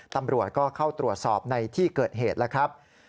ตำรวจก็เข้าตรวจสอบในที่เกิดเหตุแล้วครับ